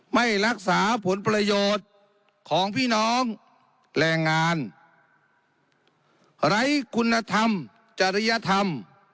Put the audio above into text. ไม่รักษาผลประโยชน์ของพี่น้องแรงงานไร้คุณธรรมจริยธรรม